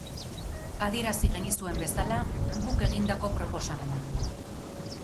Adierazi genizuen bezala, guk egindako proposamenak dira.